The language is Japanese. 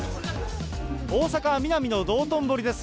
大阪・ミナミの道頓堀です。